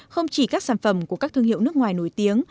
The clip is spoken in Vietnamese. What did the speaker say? không chỉ các sản phẩm của các thương hiệu nước ngoài nổi tiếng